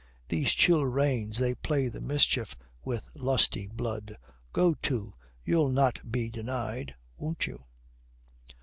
"These chill rains, they play the mischief with lusty blood. Go to, you'll not be denied, won't you?